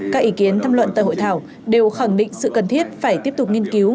các ý kiến thăm luận tại hội thảo đều khẳng định sự cần thiết phải tiếp tục nghiên cứu